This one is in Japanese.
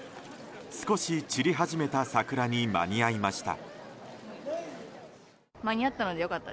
少し散り始めた桜に間に合いました。